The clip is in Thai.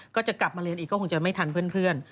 ก็จะกลับมาเรียนอีกก็คงจะไม่ทันเพื่อน